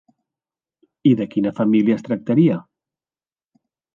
I de quina família es tractaria?